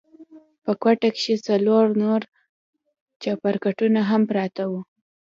په کوټه کښې څلور نور چپرکټونه هم پراته وو.